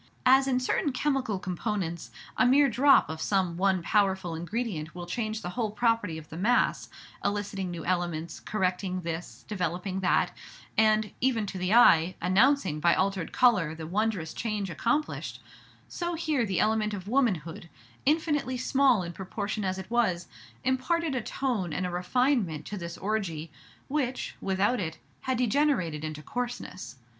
As in certain chemical compounds a mere drop of some one powerful ingredient will change the whole property of the mass, eliciting new elements, correcting this, developing that, and, even to the eye, announcing by altered color the wondrous change accomplished, so here the element of womanhood, infinitely small in proportion as it was, imparted a tone and a refinement to this orgie which, without it, had degenerated into coarseness.